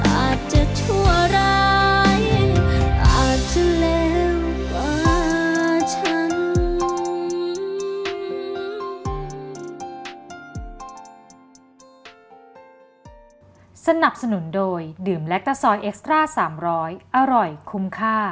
อาจจะชั่วร้ายอาจจะเลวกว่าฉัน